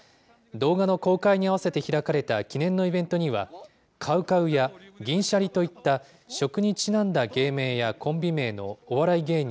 動画の公開に合わせて開かれた記念のイベントには、ＣＯＷＣＯＷや銀シャリといった、食にちなんだ芸名やコンビ名のお笑い芸人